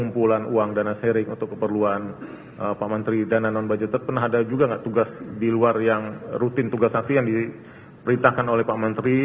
pengumpulan uang dana sharing atau keperluan pak menteri dana non budget pernah ada juga nggak tugas di luar yang rutin tugas asing yang diberitakan oleh pak menteri